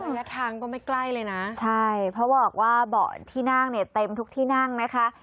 ระยะทางก็ไม่ใกล้เลยนะใช่เพราะบอกว่าเบาะที่นั่งเนี่ยเต็มทุกที่นั่งนะคะ